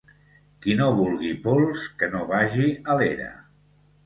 Qui no vulgui pols, que no vagi a l'era